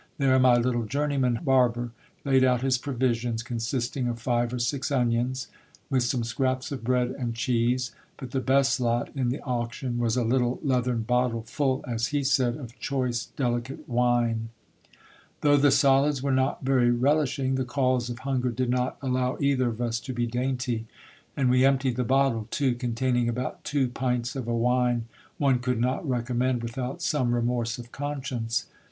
There my little journeyman barber laid out his provisions, consisting of five or six onions, with some scraps of bread and cheese ; but the best lot in the auction was a little leathern bottle, full, as he said, of choice, delicate wine. Though the solids were not very relishing, the calls of hunger did not allow either of us to be dainty ; and we emptied the bottle too, containing about two pints of a wine one could not recommend without some remorse of conscience.